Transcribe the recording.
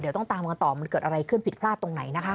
เดี๋ยวต้องตามกันต่อมันเกิดอะไรขึ้นผิดพลาดตรงไหนนะคะ